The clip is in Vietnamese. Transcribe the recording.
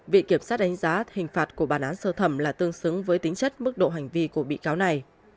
viện kiểm sát đánh giá hình phạt của bản án sơ thẩm là tương xứng với tính chất mức độ hành vi của bị cáo này